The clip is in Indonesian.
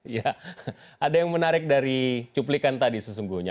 ya ada yang menarik dari cuplikan tadi sesungguhnya